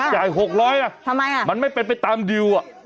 จ่าย๖๐๐บาทมันไม่เป็นไปตามดีล